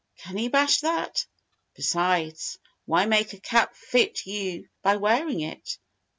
Can he bash that? Besides, why make a cap fit you by wearing it?